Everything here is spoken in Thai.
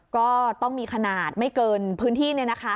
ก็ต้องมีขนาดไม่เกินพื้นที่นี่นะคะ